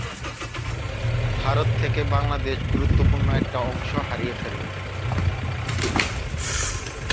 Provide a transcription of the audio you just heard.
ভারত থেকে বাংলাদেশ গুরুত্বপূর্ণ একটা অংশ হারিয়ে ফেলে।